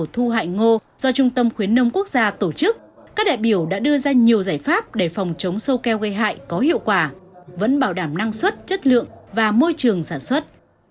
thu hại ngô do trung tâm khuyến nông quốc gia tổ chức các đại biểu đã đưa ra nhiều giải pháp để phòng chống sâu keo gây hại có hiệu quả vẫn bảo đảm năng suất chất lượng và môi trường sản xuất